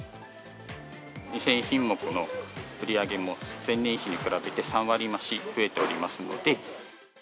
２０００品目の売り上げも、前年比に比べて３割増しで増えておりますので。